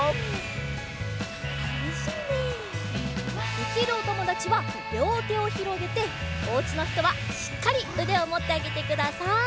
できるおともだちはりょうてをひろげておうちのひとはしっかりうでをもってあげてください。